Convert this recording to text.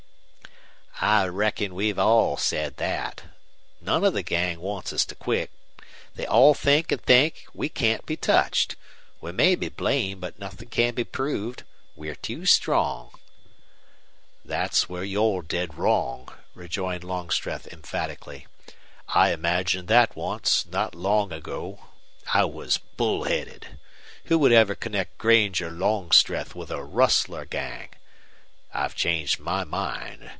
"I reckon we've all said that. None of the gang wants to quit. They all think, and I think, we can't be touched. We may be blamed, but nothing can be proved. We're too strong." "There's where you're dead wrong," rejoined Longstreth, emphatically. "I imagined that once, not long ago. I was bullheaded. Who would ever connect Granger Longstreth with a rustler gang? I've changed my mind.